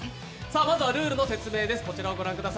まずはルールの説明です。